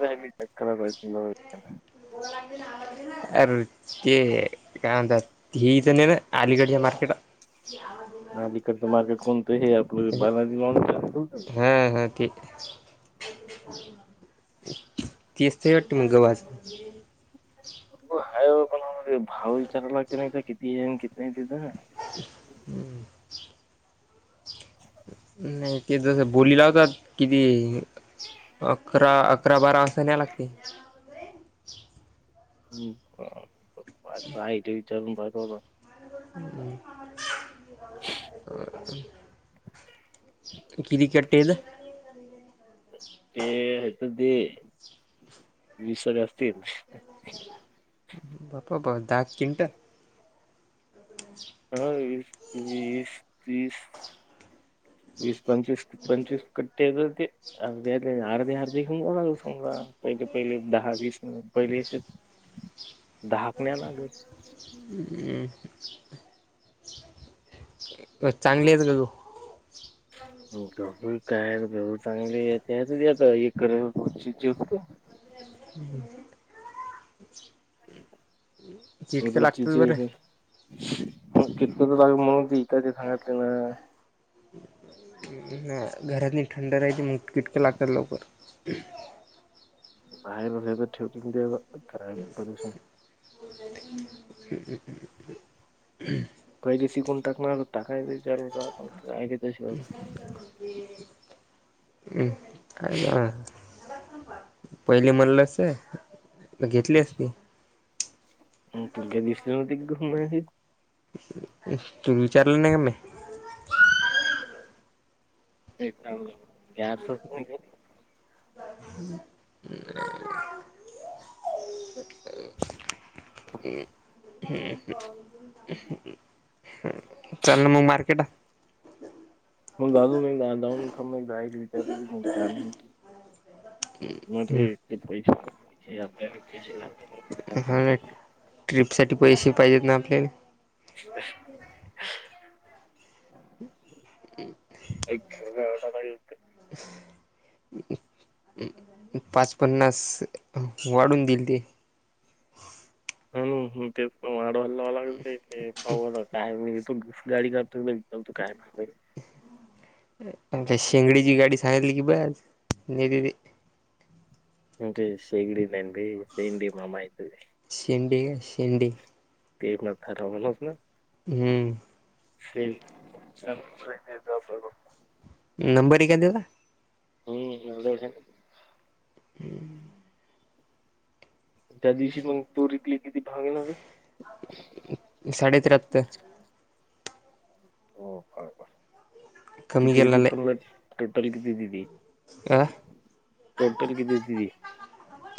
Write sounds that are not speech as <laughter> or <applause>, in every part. नाही म करा. म लाग ना अरे ते काय म्हणतात हे तर नाही ना अलीगडच्या मार्केट क आ अलीकडे तर मागे कोणतं हे आपलं बालाजी लावून लतो. ह ह ती तीच ते वाटते मग गवाच- तो हाय कोण <inaudible> भाव विचारला के नाही काय किती आहे म किती आहे तिथं. हम्म. ह नाही ते जसं बोली लावतात किती अकरा अकरा बारा वाजता न्या लागते. हो का <inaudible> तो हाय ते विचारून. <unintelligible> हम्म. किरि कट्टेत ते ह तर दे विसरे असतील. बापा बा दाग तिनटा हो वीस, तीस, तीस वीस, पंचवीस पंचवीस कट्टे येतात ते. अर्ध्या अर्धे अर्धे <unintelligible> समजा पहिले पहिले दहा वीस म पहिले शे ह दहापन्या लागच. हम्म चांगली आहेत का गहूं? गहू काय गहू चांगली आहे त्याचा ते आता हे करं. <unintelligible> हम्म. किटकं लागतात रुचीचे होइ बरं गं कितकाचा जागा मग ती इकाय ते सांगातले ना. घरात नाही थंड राहायची मगं किटकं लागत लवकर. बाहेर हेज्या ठेचून देवं. <unintelligible> <inaudible> हम्म हम्म. पहिले शिकून टाकणार टाकायचा विचारलं का. <unintelligible> <unintelligible> हम्म. ह पहिले म्हणलंस हे घेतली असती. हम्म तुल काय दिसले नव्हते की घुम आहे. तु विचारले नाय क मे <unintelligible> हम्म हम्म. <unintelligible> चलनं मग मार्केट. <unintelligible> हा <unintelligible> ट्रिपसाठी पैसे पाहिजेत ना आपल्याले. ब <inaudible> <unintelligible> पाच पन्नास वाढून दिलती. हम्म हम्म तेच पण वाडवा लावा लागल ते पाववडा काय म इथून गाडी जातोय बाई. चल तू काय फायदा आहे. यांच्या शेंगडीची गाडी सांगितली की बस नेहते ते. यांचे शेगडी ज्ञान बाई तेन बी मामा येतोय. शेंडी आहे शेंडी. ते एक मरथा राहवलास ना. हम्म. <inaudible> नंबर ये काय त्याचा. हम् केवढ्या वेळ झाला. हम्म. त्या दिवशी मग तूर इकली किती भागेल ते. साडे त्र्याहत्तर. हो बरोबर कमी किती गेला होती पन्हा लय टोटल किती होती ती. आ. टोटल किती इकली.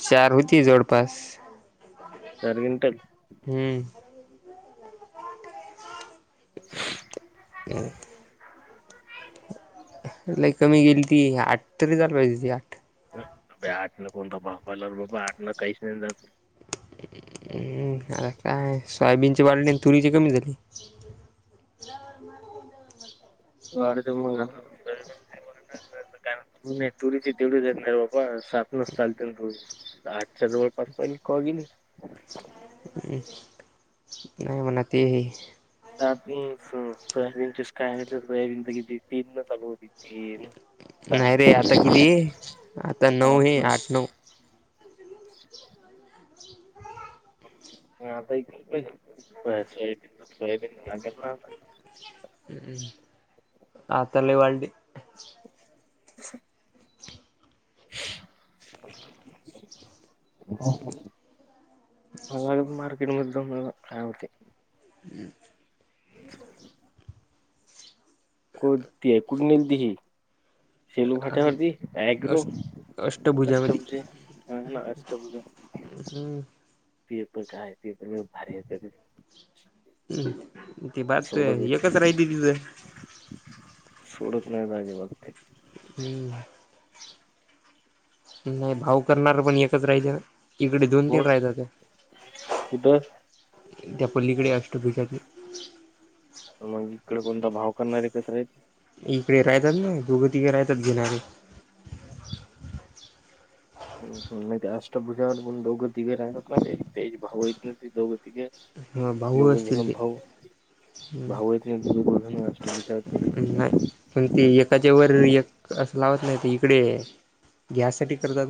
चार होती जवळपास. चार क्विंटल. हम्म. <inaudible> ह, <inaudible> ला कमी गेली ती आठ तरी झाल ती आ. ह आठ न कोण दबाव पलार बाबा आठ न कैस नाही जात. हम्म आता काय सोयाबीनची वाढले तुरीची कमी झाली. वाड त म आता. कारण त तुरीची तेवढीचेतणार बाबा सातनच चालते ना. आठच्या जवळपास पहिली कवा गेली. हम् नाही म्हण ते हे. सा सयाबींचीच काय आहे सोयाबी की ज तीन न चालू होती ते न. नाही रे आता किती आहे आता नऊ हे खु <inaudible> आठ नऊ आता सोयाबीन सोयाबीन लागेल ना आता. हम् आताला वाळडी. <inaudible> हो हो. जत मार्केट म काय होते. हम्म. <inaudible> कोठती आहे कुठून निलती की. शेलू अस फटावरतीग्रो अष्टभुजामध्ये कष्टम जे. हा ना अष्टभूजा हम्म त पण काय त पण भारी. हम् ते बात सोडत एकच राहिते तिचं. सोडत नाही दाजे बघते. हम्म. नाही भाऊ करणार पण एकच राहिज ना. इकडे दोन तीन कोण? राहत्यात कुठं? त्या पलीकडे अष्टभष. मग इकडे कोणता भाव करणारे कस राहील. इकडे राहतात ना दोघ तिकडे राहतात जिणारे. मा अष्टभुजा पण दोघं तिघे राहगत तेज भाव दोघं तिघे. भाऊ दोघ ना असतील ते भाऊ भाऊ आहे ब ना अष्टमी. नाही. पण ते एकाच्या वर एक असं लावत नाही तर इकडे गॅससाठी करतात.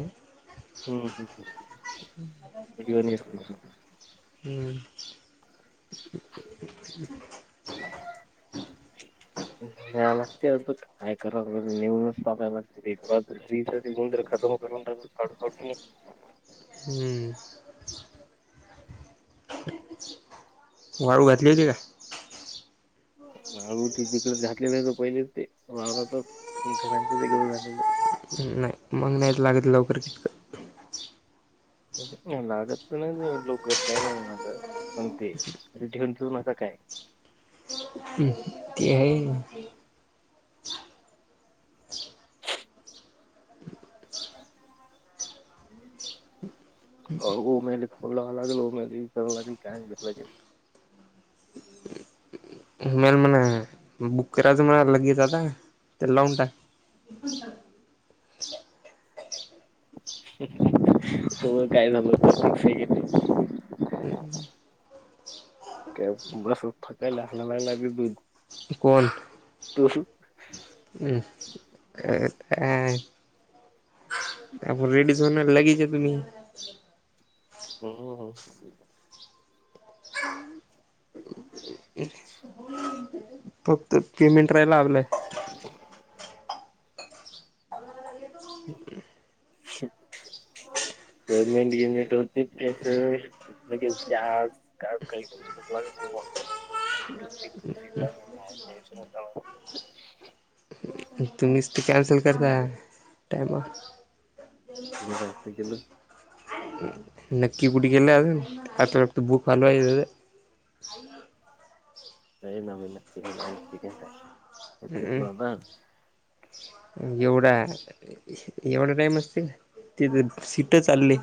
हम्म <unintelligible> हम्म. लागते अभुत. काय करा लाग नेऊनच पापाय लाग गंद खतम करून टाकला काटू कार्टून. हम्म. वाळू घातली होती का? वाळू तिकडे घातली नाही तर पहिलेच ते वेगळे होवू राहिले. नाही मग नाहीच लागत लवकर तिकड ऊन लागत नाही लोक काही नाही माझं पण ते ठेऊन ठेवून असं काय? ते ते हाय. अ <unintelligible> अऊ म्याली फोन लावू लागल ओ म्हणली काय <unintelligible> खीलम्याल म्हणा. बुक्कराज मार लगेच आता ते लावून टाक उग काय न्हव ते. तेच काय बस फाट्याला हालाय लागली बघ. कोण? तू शू अं काय थँक? आपूण रेडीच होना लगीच या तुम्ही हम्म. ह <unintelligible> फक्त पेमेंट राहायला लागलंय. <inaudible> <unintelligible> कुठं गेलत्या आज काय कळेना <unintelligible> <unintelligible> तुम्हीच ते कॅन्सल करता टाईमवर तू काय अप्पे केलं? नक्की कुठ गेलाय आज? आता तू बुक चालू हाय अजून अ <unintelligible> त्या न मन तला आण <unintelligible> एवढा एवढ्या टाईम असती तीथ सीट चालली.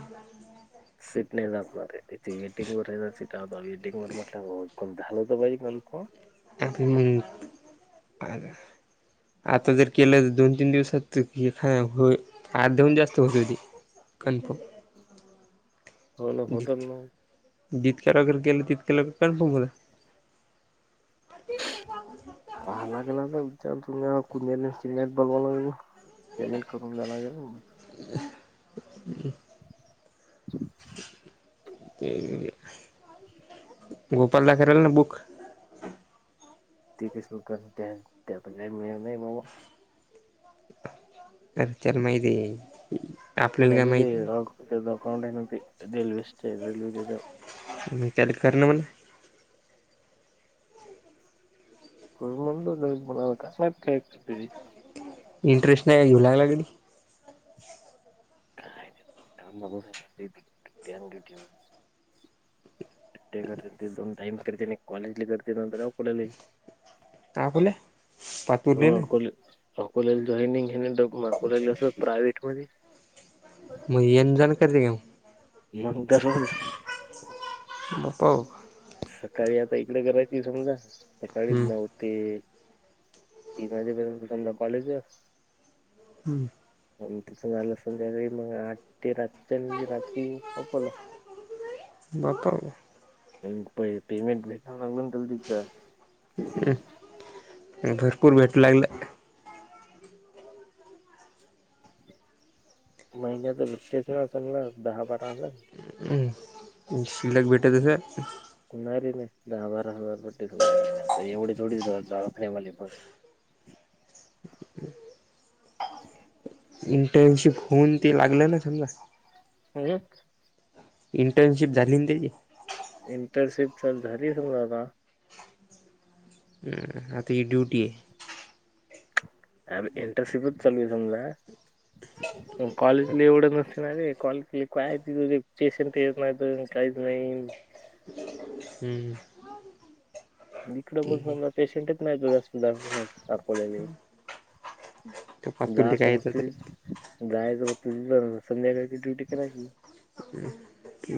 सीट नाही जात णारे त्याची वेटिंग वर हाय, सीट वेटिंग वर म्हटलं, पण झालं तर पाहिजे म्हणे कन्फर्म <unintelligible> आता जर केलं तर दोन तीन दिवसात ते हा होईल, आर दोन दिवस तर होवू दे की कन्फर्म तुला पटल ना. जितक्या लवकर केलं, तितक्या लवकर कन्फर्म होईल. पाहायला गेला विचार तु कुट बोलवाव लागल. पेमेंट करून जाणार काय नाही मग <unintelligible> <inaudible> ते अ गोपाल दा करल ना बुक ते कसलं करत्यात तेचा काय नेम नाही बा करत्यात माहितीए त्या वेळी तेज अकाउंट हाय न्हव ते रेलवें <unintelligible> त्याले कर ना म्हण. मग म्हणत होता की कुणाला काय माहित इंटरेस्ट नाही घेऊ लागला कधी काय थांब बाबा म्हणालते <unintelligible> ते करते ते दोन टाईम करते कॉलेजली करते नंतर अ कुणाले का बोले? थांब. होय अकोलेला जॉइनिंग घेणे अकोलेला कसं प्रायव्हेट मध्ये मग येन जाण करते का मग मग दरोज हो सकाळी आता इकड करायची समजा सकाळीच हम्म जाऊ ते दिवाळी पर्यंत त्यांना कॉलेज जा हम्म त आलं संध्याकाळी मग आठ ते रातच्या म्हणजे रात्री <unintelligible> बताव मग पेमेंट भेटावं लागलं त्याल तिचं भरपूर भेट लागलं. महिन्यात विकतेच ना चांगला दहा बारा हजार. हम् शिलक भेटतस नाही रे नाही दहा बारा हजार पडते महिन्यातन एवढी <unintelligible> <unintelligible> <unintelligible> इंटर्नशिप होऊन ते लागलं ना समजा म्हणजे. इंटर्नशिप झाली न त्याची. इंटर्नशिप चाल झाली समजा आता आता ही ड्युटी हे. अ इंटरनशिपच चालू आहे समजा <inaudible> कॉलेजला एवढं नसते ना रे कॉलेज काय चे ते टेन्शन नाही काहीच नाही हम्म हम्म इकडें बोल ठीक आहे समजा पेशंटच नाही <unintelligible> तो दवाखान्यात दाखवलेले तो जा पातुरले काय येतं समजतयाच जायच फक्त संध्याकाळची ड्युटी करायची.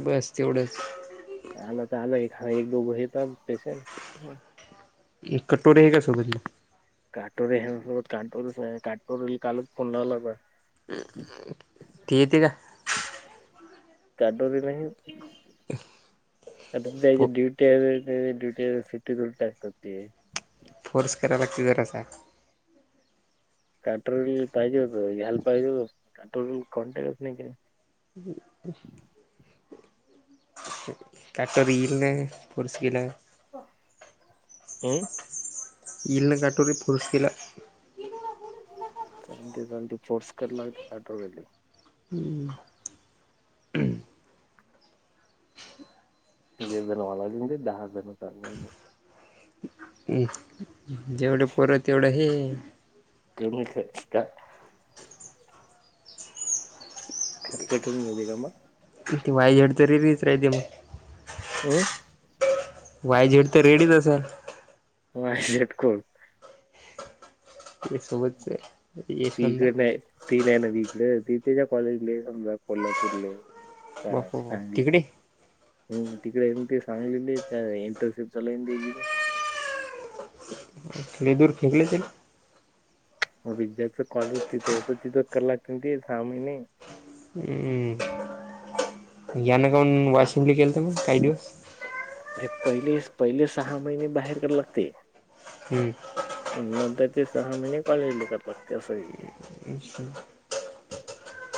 बस तेवढंच. आला तर आला ए एक दोघ येतात पेशंट. एक कटोरे आहे का स्वतःची काटोर सोबत काटोरच काटोर कालच फोन लावला. ती येते का काडोरे नाही येत. त्याची फो ड्यूटी <unintelligible> फोर्स कराय लागतय जरा स कट्रोल पाहिजे होत घ्याल पाहिजे होतं <unintelligible> <unintelligible> काय ती इल काय फोर्स केल्यावर. हम् इल ना काटोरी फोर्स केल्या ते जाऊ दे कोर्स करणार आहे <unintelligible> हम्म <unintelligible> ए जेवढं परंत तेवढं हे <unintelligible> खर्च कमी होऊ दे का मग त वाईझड तरी रीच राहते मग हम्म वाय झेड तर रेडीच असल. ह शेटक ते समजचे त इकडे नाही ती नाही ना तकडे ती तच्या कॉलेज सम कोल्हापूरले ह बापा सांगली तिकडे तिकडे म ते सांगलेली त्या इंटरशिप चालान. ललेदर खेकले हो विद्यार्थच कॉलेज तिथंत तिथं क लाग ते साने हम्म या ना कान वाशिमली केलं ते मग काही दिवस अरे पहिले पहिले सहा महिने बाहेर का लागते हम्म न त्या ते सहा महिने कॉलेज ल करत लागते असं. <unintelligible>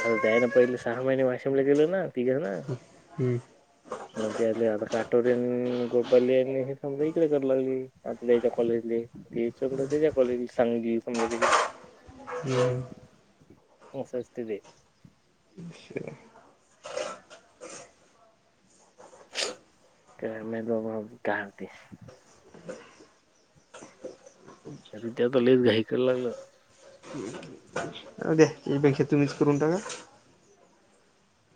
आ त्याय ना पहिले सहा महिने वाशिमला गेलो ना तिघं ना. हम्म म्हण तेले आता काठोर गोपाली आणि हे समजा इकडे कर लाग आताच्या कॉलेजले. ते समजा त्याच्या कॉलेज सांगली समजा तिला. हम्म ह सस्ते अचशा काय माहित बाबा काय होतंय त्याता लयच घाई करायला लागलं. <inaudible> जाऊद्या त्यापेक्षा तुम्हीच करून टाका.